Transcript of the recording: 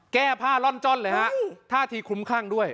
แก้ผ้าล่อนจ้อนเลยฮะท่าทีคลุมคลั่งด้วย